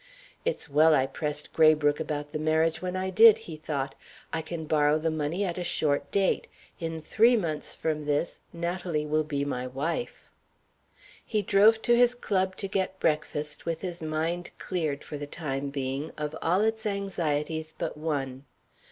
"It's well I pressed Graybrooke about the marriage when I did!" he thought. "I can borrow the money at a short date. In three months from this Natalie will be my wife." He drove to his club to get breakfast, with his mind cleared, for the time being, of all its anxieties but one.